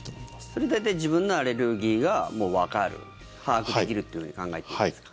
それで大体自分のアレルギーがわかる把握できるっていうふうに考えていいですか。